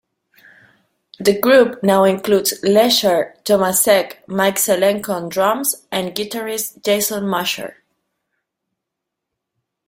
The group now includes Lescher, Tomasek, Mike Zelenko on drums, and guitarist Jason Mosher.